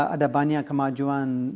ada banyak kemajuan